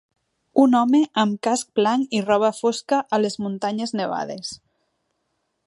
Un home amb casc blanc i roba fosca a les muntanyes nevades.